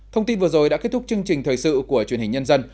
thông tin vừa rồi đã kết thúc chương trình thời sự của truyền hình nhân dân